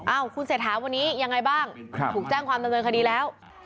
คุณเศรษฐาวันนี้ยังไงบ้างถูกแจ้งความดำเนินคดีแล้ว